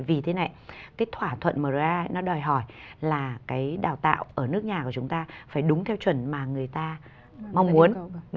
vì thế này cái thỏa thuận mrai nó đòi hỏi là cái đào tạo ở nước nhà của chúng ta phải đúng theo chuẩn mà người ta mong muốn